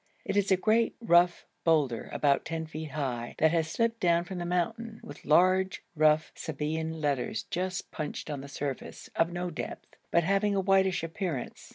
It is a great rough boulder about 10 feet high, that has slipped down from the mountain, with large rough Sabæan letters just punched on the surface, of no depth, but having a whitish appearance.